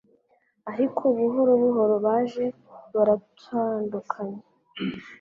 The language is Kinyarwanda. ariko buhoro buhoro baje baratandukanye